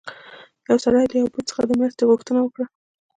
یو سړي له یو بت څخه د مرستې غوښتنه کوله.